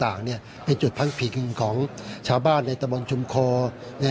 ต่างเนี่ยเป็นจุดพักผิงของชาวบ้านในตะบนชุมโค